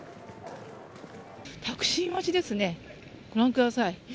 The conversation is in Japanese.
タクシー待ちですねご覧ください。